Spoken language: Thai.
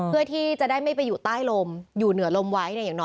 เพื่อที่จะได้ไม่ไปอยู่ใต้ลมอยู่เหนือลมไว้เนี่ยอย่างน้อย